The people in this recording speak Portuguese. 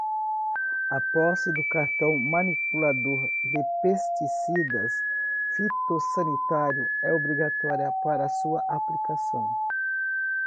A posse do cartão manipulador de pesticidas fitossanitário é obrigatória para a sua aplicação.